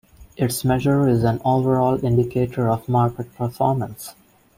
Its measure is an overall indicator of market performance.